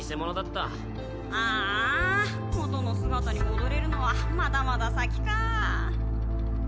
あーあ元の姿に戻れるのはまだまだ先か。